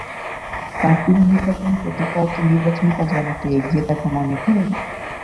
প্রার্থীরা পছন্দের প্রতীক পাওয়াকে নির্বাচনী কাজে অনেকটা এগিয়ে থাকা মনে করেন।